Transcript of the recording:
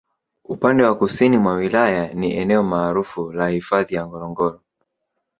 Upande wa Kusini mwa Wilaya ni eneo maarufu la Hifadhi ya Ngorongoro